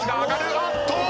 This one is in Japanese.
あっと！